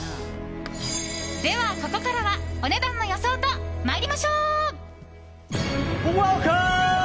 では、ここからはお値段の予想と参りましょう。